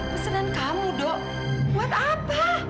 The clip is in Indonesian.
pesanan kamu dok buat apa